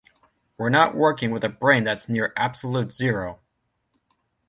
'We're not working with a brain that's near absolute zero.